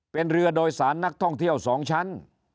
เป็นเรือโดยสารนักท่องเที่ยว๒ชั้น